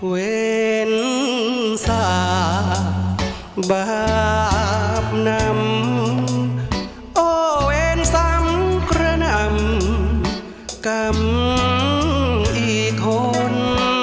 เวรซาบาปนำโอเวรสังคระนำกลับอีทธน